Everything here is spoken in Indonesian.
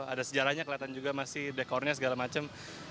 ada sejarahnya kelihatan juga masih dekornya segala macam